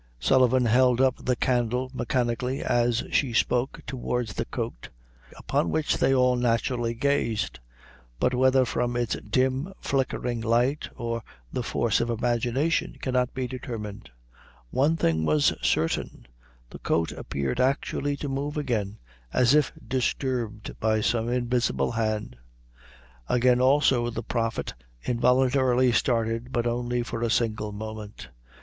Sullivan held up the candle mechanically, as she spoke, towards the coat, upon which they all naturally gazed; but, whether from its dim flickering light, or the force of imagination, cannot be determined, one thing was certain, the coat appeared actually to move again, as if disturbed by some invisible hand. Again, also, the prophet involuntary started, but only for a single moment.